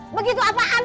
begitu apaan lagi